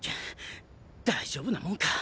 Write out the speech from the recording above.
大丈夫なもんか！